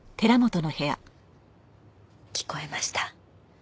聞こえました。